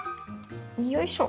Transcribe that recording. よいしょ。